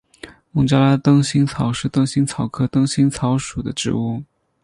孟加拉灯心草是灯心草科灯心草属的植物。